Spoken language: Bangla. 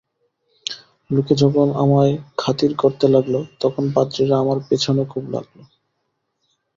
লোকে যখন আমায় খাতির করতে লাগল, তখন পাদ্রীরা আমার পেছনে খুব লাগল।